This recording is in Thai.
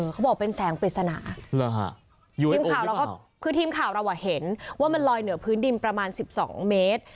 เขาบอกเป็นแสงปริศนาทีมข่าวเราก็คือทีมข่าวเราเห็นว่ามันลอยเหนือพื้นดินประมาณ๑๒เมตร